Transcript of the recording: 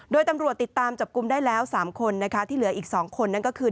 โดยตำรวจติดตามจับกลุ่มได้แล้ว๓คนนะคะที่เหลืออีก๒คนนั่นก็คือ